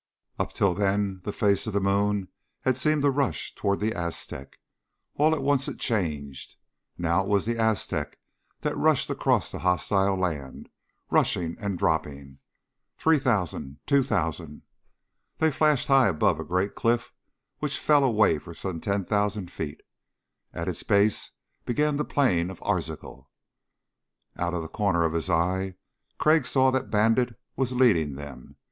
Up until then the face of the moon had seemed to rush toward the Aztec. All at once it changed. Now it was the Aztec that rushed across the hostile land rushing and dropping. "Three thousand ... two thousand...." They flashed high above a great cliff which fell away for some ten thousand feet. At its base began the plain of Arzachel. Out of the corner of his eye Crag saw that Bandit was leading them.